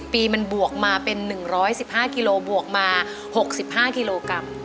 ปีมันบวกมาเป็น๑๑๕กิโลบวกมา๖๕กิโลกรัม